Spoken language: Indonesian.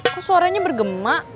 kok suaranya bergema